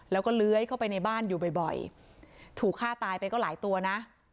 แล้วก็เลื้อยเข้าไปในบ้านอยู่บ่อยถูกฆ่าตายไปก็หลายตัวนะ